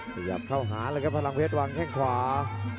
ขยับเข้าหาเลยครับพลังเพชรวางแข้งขวา